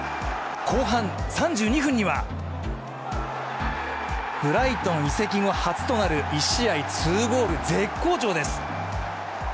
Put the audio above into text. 後半３２分にはブライトン移籍後初となる１試合２ゴール、絶好調です。